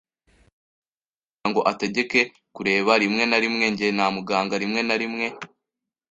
intebe ye kugirango ategeke kureba, rimwe na rimwe njye na muganga rimwe na rimwe